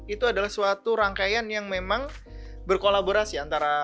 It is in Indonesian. itu adalah suatu rangkaian yang memang berkolaborasi antara pemangku kebijakan dengan